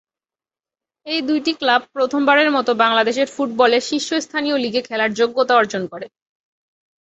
এই দুইটি ক্লাব প্রথমবারের মত বাংলাদেশের ফুটবলের শীর্ষস্থানীয় লিগে খেলার যোগ্যতা অর্জন করে।